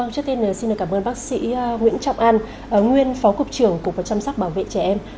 trước tiên xin được cảm ơn bác sĩ nguyễn trọng an nguyên phó cục trưởng cục và chăm sóc bảo vệ trẻ em